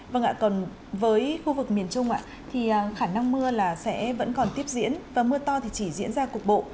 vâng ạ còn với khu vực miền trung thì khả năng mưa là sẽ vẫn còn tiếp diễn và mưa to thì chỉ diễn ra cục bộ